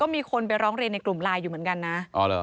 มีคนไปร้องเรียนในกลุ่มไลน์อยู่เหมือนกันนะ